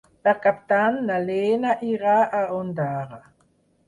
Per Cap d'Any na Lena irà a Ondara.